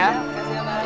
makasih ya bang